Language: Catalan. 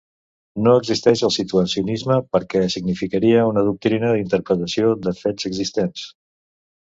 No existeix el situacionisme, perquè significaria una doctrina d'interpretació dels fets existents.